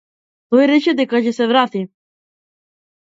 Тој рече дека ќе се врати.